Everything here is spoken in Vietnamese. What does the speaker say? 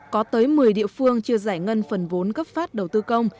có tới một mươi địa phương chưa giải ngân phần vốn gấp phát đầu tư công